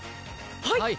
はい！